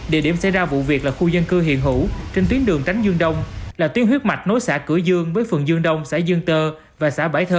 địa điểm xảy ra vụ việc là khu dân cư hiện hữu trên tuyến đường tránh dương đông là tuyến huyết mạch nối xã cửa dương với phường dương đông xã dương tơ và xã bảy thơ